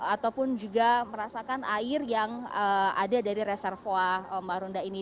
ataupun juga merasakan air yang ada dari reservoa marunda ini